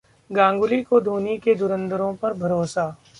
गांगुली को धोनी के धुरंधरों पर भरोसा